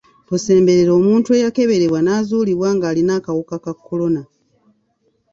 Tosemberera omuntu eyakeberebwa n'azuulibwa ng'alina akawuka ka kolona.